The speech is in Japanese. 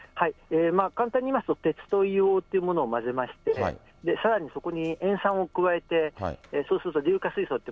簡単に言いますと、鉄と硫黄というものを混ぜまして、さらにそこに塩酸を加えて、そうすると硫化水素って、